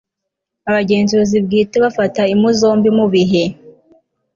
abagenzuzi bwite bafata impu zombi mu bihe